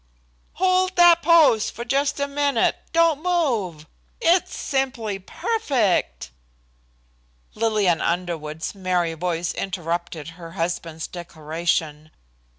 "Hold that pose just a minute. Don't move. It's simply perfect." Lillian Underwood's merry voice interrupted her husband's declaration.